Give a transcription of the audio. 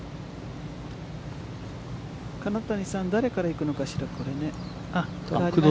金谷さん、誰から行くのかしら。